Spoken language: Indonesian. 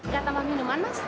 gak tambah minuman mas